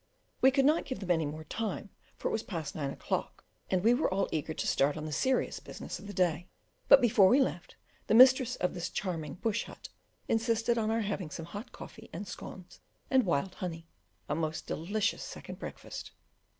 We could not give them any more time, for it was past nine o'clock, and we were all eager to start on the serious business of the day; but before we left, the mistress of this charming "bush hut" insisted on our having some hot coffee and scones and wild honey, a most delicious second breakfast.